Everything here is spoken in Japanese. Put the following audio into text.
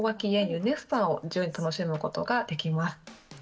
ユネッサンを自由に楽しむことができます。